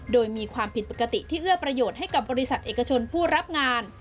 โดยมีความผิดปกติที่เอื้อประโยชน์ให้กับบริษัทเอกชนผู้รับงาน